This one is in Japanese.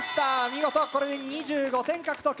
見事これで２５点獲得。